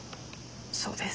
そうです。